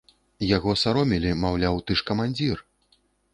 Яго саромілі, маўляў, ты ж камандзір!